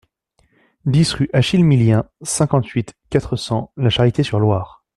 dix rue Achille Millien, cinquante-huit, quatre cents, La Charité-sur-Loire